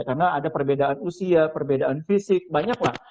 karena ada perbedaan usia perbedaan fisik banyak lah